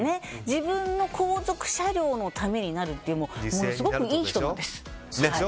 自分の後続車両のためになるというすごくいい人なんです。